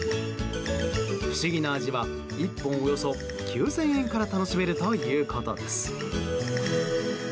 不思議な味は１本およそ９０００円から楽しめるということです。